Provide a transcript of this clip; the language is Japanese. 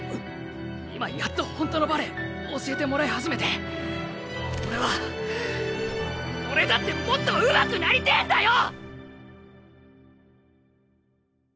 今やっとほんとのバレエ教えてもらいはじめて俺は俺だってもっとうまくなりてぇんだよ！